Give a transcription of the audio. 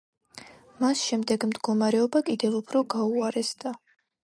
მას შემდეგ მდგომარეობა კიდევ უფრო გაუარესდა.